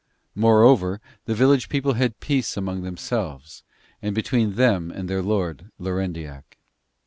Moreover, the village people had peace among themselves and between them and their lord, Lorendiac.